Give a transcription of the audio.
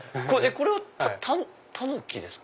これはタヌキですか？